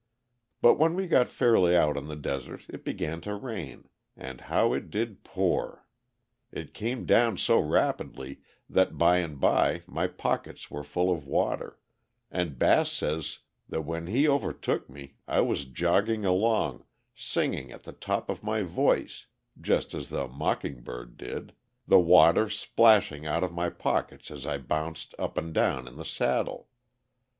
But when we got fairly out on the desert it began to rain, and how it did pour! It came down so rapidly that by and by my pockets were full of water, and Bass says that when he overtook me, I was jogging along, singing at the top of my voice (just as the mocking bird did), the water splashing out of my pockets as I bounced up and down in the saddle.